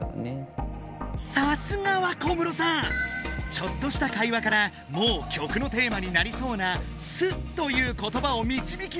ちょっとした会話からもう曲のテーマになりそうな「素」ということばをみちびきだした！